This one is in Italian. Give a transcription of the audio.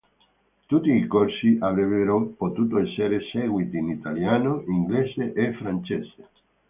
Tutti i corsi avrebbero potuto essere seguiti in italiano, inglese e francese.